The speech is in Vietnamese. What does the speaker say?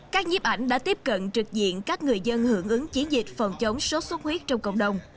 các nhiếp ảnh đã tiếp cận trực diện các người dân hưởng ứng chiến dịch phòng chống sốt xuất huyết trong cộng đồng